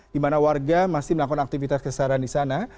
di mana warga masih melakukan aktivitas keseharian di sana